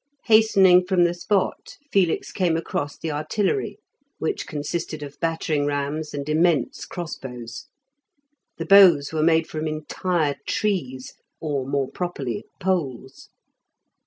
Hastening from the spot, Felix came across the artillery, which consisted of battering rams and immense crossbows; the bows were made from entire trees, or, more properly, poles.